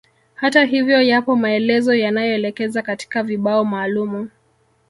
Hata hivyo yapo maelezo yanaoelekeza katika vibao maalumu